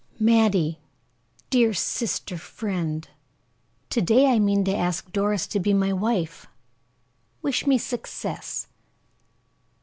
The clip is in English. "Mattie, dear sister friend, to day I mean to ask Doris to be my wife. Wish me success."